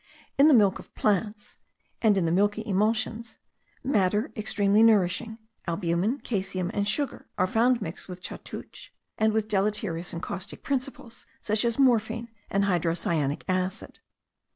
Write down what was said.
In the milk of plants, and in the milky emulsions, matter extremely nourishing, albumen, caseum, and sugar, are found mixed with caoutchouc and with deleterious and caustic principles, such as morphine and hydrocyanic acid.